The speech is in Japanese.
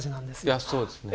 いやそうですよね。